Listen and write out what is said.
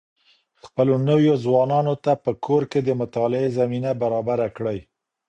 خپلو نويو ځوانانو ته په کور کي د مطالعې زمينه برابره کړئ.